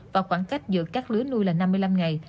và khoảng cách giữa các lưới nuôi là năm mươi năm ngày